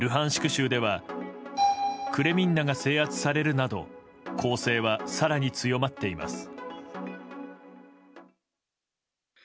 州ではクレミンナが制圧されるなど攻勢は更に強まっています。